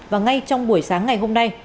và ngay trong buổi sáng ngày hôm nay